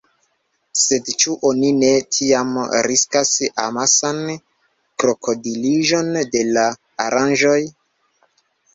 Sed ĉu oni ne tiam riskas amasan krokodiliĝon de la aranĝoj?